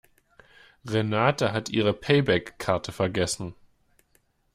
Renate hat ihre Payback-Karte vergessen.